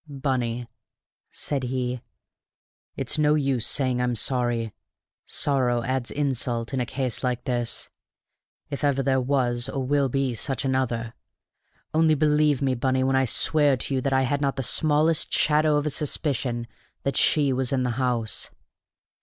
"Bunny," said he, "it's no use saying I'm sorry. Sorrow adds insult in a case like this if ever there was or will be such another! Only believe me, Bunny, when I swear to you that I had not the smallest shadow of a suspicion that she was in the house."